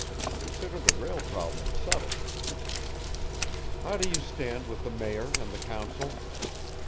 Consider the rail problem settled." "How do you stand with the Mayor and the council?"